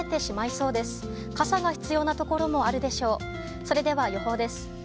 それでは予報です。